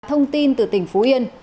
thông tin từ tỉnh phú yên